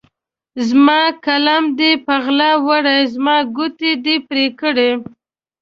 زما قلم دې په غلا وړی، زما ګوتې دي پرې کړي